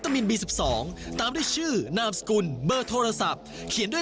สร้างทางรวยได้